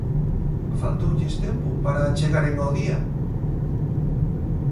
Faltoulles tempo para chegaren ao Día?